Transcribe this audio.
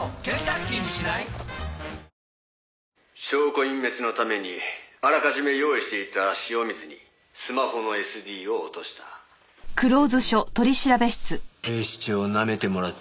「証拠隠滅のためにあらかじめ用意していた塩水にスマホのＳＤを落とした」でもね